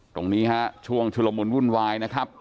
ตรงนี้ฮะช่วงชุลมุนวุ่นวายนะครับ